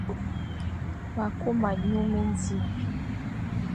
Ma a kuma nyu mendi,